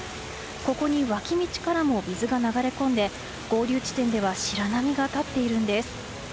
ここに脇道からも水が流れ込んで合流地点では白波が立っているんです。